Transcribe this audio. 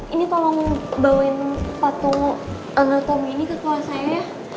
ini tolong bawain patung anatomi ini ke keluar saya ya